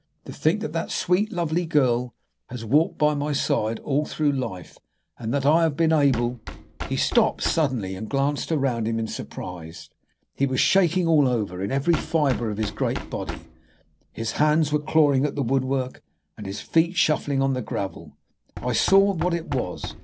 To think that that sweet, lovely girl has walked by my side all through life, and that I have been able " He stopped suddenly, and I glanced round at him in surprise. He was shaking all over, in every fibre of his great body. His hands were clawing at the woodwork, and his feet shuffling on the gravel. I saw what it was.